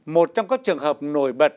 một trong các trường hợp nổi bật